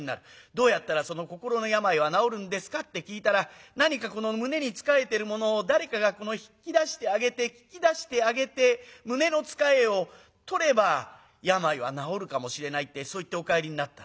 『どうやったらその心の病は治るんですか？』って聞いたら『何かこの胸につかえてるものを誰かが引き出してあげて聞き出してあげて胸のつかえを取れば病は治るかもしれない』ってそう言ってお帰りになったの。